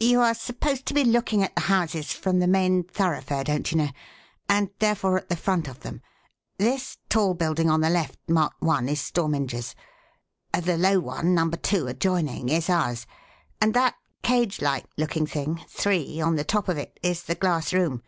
"You are supposed to be looking at the houses from the main thoroughfare, don't you know, and, therefore, at the front of them. This tall building on the left marked 1 is Storminger's; the low one, number 2, adjoining, is ours; and that cagelike looking thing, 3, on the top of it, is the glass room.